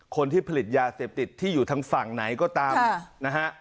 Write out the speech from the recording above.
คนที่ผลิตยาเสพติดที่อยู่ทางฝั่งไหนก็ตามนะฮะ